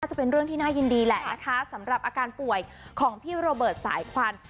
จะเป็นเรื่องที่น่ายินดีแหละนะคะสำหรับอาการป่วยของพี่โรเบิร์ตสายควัน